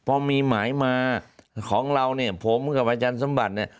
พอมีหมายมาของเราเนี่ยผมกับอาจารย์สมบัติเนี่ย